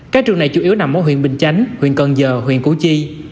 các trường này chủ yếu nằm ở huyện bình chánh huyện cần giờ huyện củ chi